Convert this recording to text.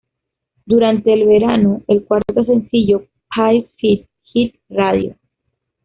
Durante el verano, el cuarto sencillo "Pieces Fit" hit radio.